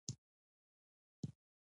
موږ به د سپما لپاره هدف ټاکو.